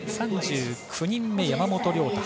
３９人目、山本涼太。